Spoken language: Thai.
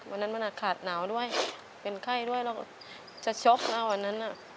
วันนั้นมันอาหารขาดหนาวด้วยเป็นไข้ด้วยแล้วจะช็อปแล้ววันนั้นน่ะ